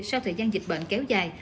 sau thời gian dịch bệnh kéo dài